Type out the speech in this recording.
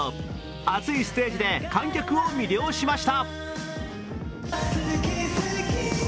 熱いステージで観客を魅了しました。